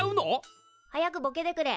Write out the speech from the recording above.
早くボケてくれ。